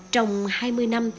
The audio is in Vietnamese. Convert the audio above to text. trong hai mươi năm